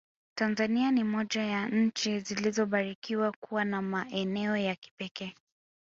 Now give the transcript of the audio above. Tanzania ni moja ya nchi zilizobarikiwa kuwa na maeneo ya kipekee